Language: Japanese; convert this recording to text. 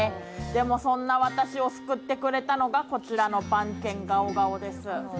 でも、そんな私を救ってくれたのがこちらの番犬ガオガオです。